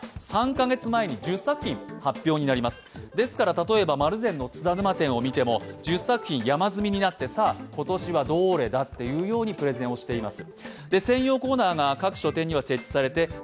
例えば、丸善の津田沼店を見ても１０作品、山積みになってさあ、今年はドーレだというふうにプレゼンをしています。